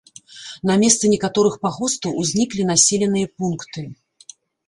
На месцы некаторых пагостаў узніклі населеныя пункты.